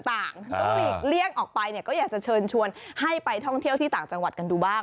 ต้องหลีกเลี่ยงออกไปเนี่ยก็อยากจะเชิญชวนให้ไปท่องเที่ยวที่ต่างจังหวัดกันดูบ้าง